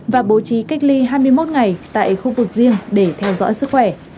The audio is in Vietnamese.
và bố trí cách ly hai mươi một ngày tại khu vực riêng để theo dõi sức khỏe